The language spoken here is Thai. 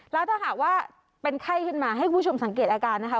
แล้วถ้าหากว่าเป็นไข้ขึ้นมาให้คุณผู้ชมสังเกตอาการนะคะ